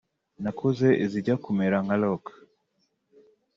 nakoze izijya kumera nka Rock